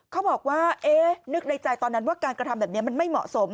เขาบอกว่าเอ๊ะนึกในใจตอนนั้นว่าการกระทำแบบนี้มันไม่เหมาะสม